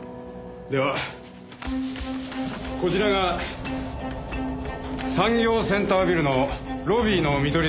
ではこちらが産業センタービルのロビーの見取り図ですが。